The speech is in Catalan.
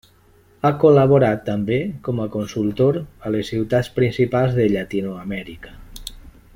Ha col·laborat també com a consultor a les ciutats principals de Llatinoamèrica.